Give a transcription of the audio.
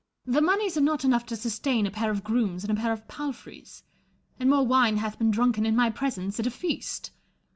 Elizabeth. The moneys are not enough to sustain a pair of grooms and a pair of palfreys, and more wine hath been drunken in my presence at a feast.